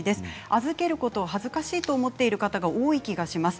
預けることを恥ずかしいと思っている方が多い気がします。